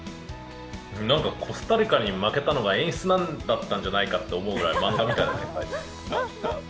コスタリカに負けたのが演出だったんじゃないかと思うぐらい漫画みたいな展開で。